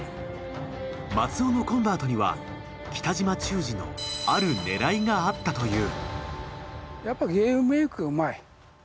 松尾のコンバートには北島忠治のある狙いがあったという。